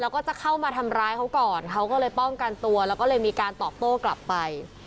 แล้วก็จะเข้ามาทำร้ายเขาก่อนเขาก็เลยป้องกันตัวแล้วก็เลยมีการตอบโต้กลับไป